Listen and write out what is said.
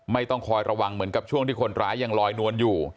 ไม่ต้องคอยระวังเหมือนกับช่วงที่คนร้ายยังลอยนวลอยู่